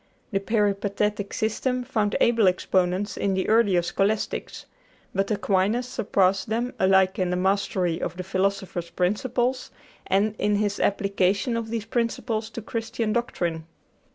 The peripatetic system found able exponents in the earlier Scholastics; but Aquinas surpassed them alike in the mastery of the philosopher's principles and in his application of these principles to Christian doctrine.